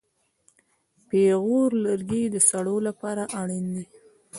پېغور لرګی د سړو لپاره اړین دی.